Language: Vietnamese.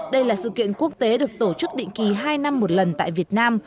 đây là sự kiện quốc tế được tổ chức định kỳ hai năm một lần tại việt nam